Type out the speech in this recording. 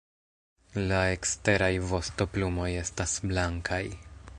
La eksteraj vostoplumoj estas blankaj.